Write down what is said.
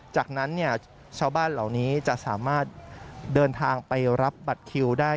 จากนั้นชาวบ้านเหล่านี้จะสามารถเดินทางไปรับบัตรคิวได้